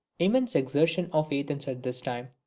Immense exertions of Athens at this time.